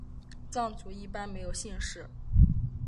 藏族一般没有姓氏。